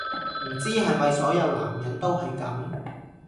唔知係咪所有男人都係咁